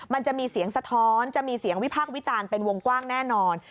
มันจะมีเสียงสะท้อนจะมีเสียงวิพากษ์วิจารณ์เป็นวงกว้างแน่นอน